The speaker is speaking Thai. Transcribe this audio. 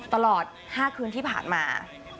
ตลอด๕คืนที่ผ่านมา